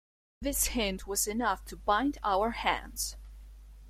This hint was enough to bind our hands.